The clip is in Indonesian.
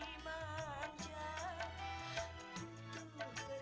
apa yang tau hope